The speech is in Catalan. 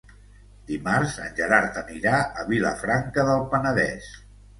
Dimarts en Gerard anirà a Vilafranca del Penedès.